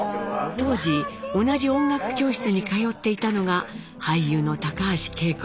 当時同じ音楽教室に通っていたのが俳優の高橋惠子さん。